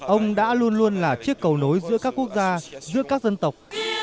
ông đã luôn luôn là chiếc cầu nối giữa các quốc gia giữa các dân tộc